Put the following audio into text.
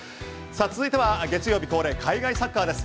次は月曜日恒例海外サッカーです。